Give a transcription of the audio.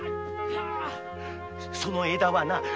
その枝はな